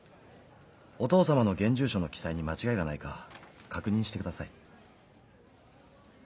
お父様の現住所の記載に間違いがないか確認してください。